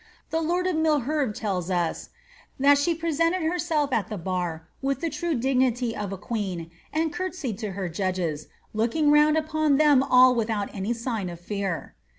The lord of Milherve tells us, ^ that she presented herself at the bar, with the true dignity of a queen, and curt^ sied to her judges, looking round upon them ail without any sign of fear.''